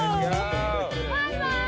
バイバイ！